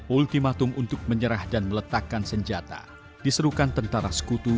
ultimatum untuk menyerah dan meletakkan senjata diserukan tentara sekutu